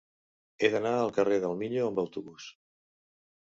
He d'anar al carrer del Miño amb autobús.